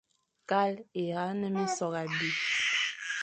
Kal e a ne minsokh abî,